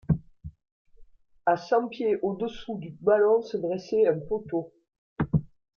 À cent pieds au-dessous du ballon se dressait un poteau.